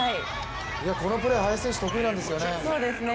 このプレー、林選手得意なんですよね。